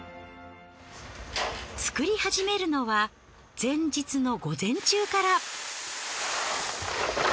作り始めるのは前日の午前中から。